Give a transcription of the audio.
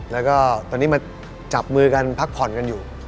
แล้วก็ตอนนี้มาจับมือกันพักผ่อนกันอยู่